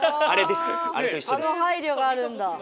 ああの配慮があるんだ。